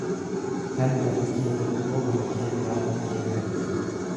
kan bakkee tokkoo bakkee biraatti geeffame.